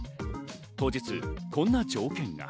当日こんな条件が。